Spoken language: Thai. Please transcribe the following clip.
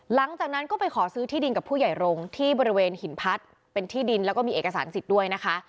หลังจากนั้นก็ไปขอซื้อที่ดินกับผู้ใหญ่รงค์ที่บริเวณหินพัดเป็นที่ดินแล้วก็มีเอกสารสิทธิ์ด้วยนะคะ